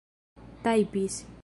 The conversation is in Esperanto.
tajpis